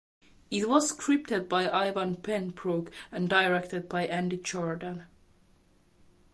It was scripted by Ivan Benbrook and directed by Andy Jordan.